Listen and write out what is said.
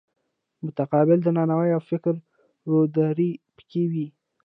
متقابل درناوی او فکري روداري پکې وي.